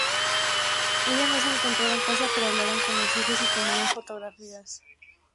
Ella no se encontraba en casa pero hablaron con los hijos y tomaron fotografías.